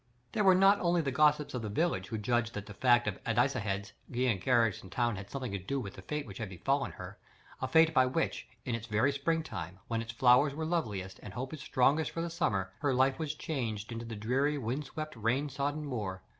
They were not only the gossips of the village who judged that the fact of Addicehead's being a garrison town had something to do with the fate that had befallen her; a fate by which, in its very spring time, when its flowers were loveliest, and hope was strongest for its summer, her life was changed into the dreary wind swept, rain sodden moor.